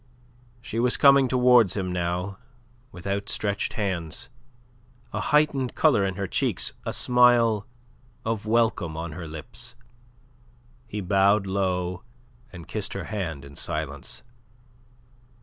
She was coming towards him now with outstretched hands, a heightened colour in her cheeks, a smile of welcome on her lips. He bowed low and kissed her hand in silence.